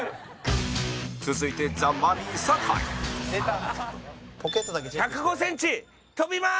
続いて、ザ・マミィ酒井酒井：１０５ｃｍ、跳びまーす！